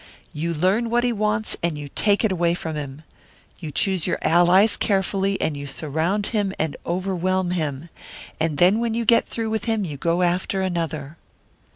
You learn what he wants, and you take it away from him. You choose your allies carefully, and you surround him and overwhelm him; then when you get through with him, you go after another."